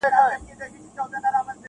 ورته جوړه په ګوښه کي هدیره سوه -